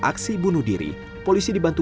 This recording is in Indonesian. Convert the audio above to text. aksi bunuh diri polisi dibantu